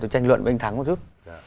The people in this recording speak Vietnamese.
tôi tranh luận với anh thắng một chút